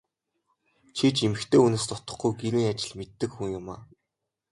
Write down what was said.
Чи ч эмэгтэй хүнээс дутахгүй гэрийн ажил мэддэг хүн юмаа.